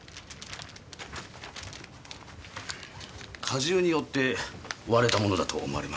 荷重によって割れたものだと思われます。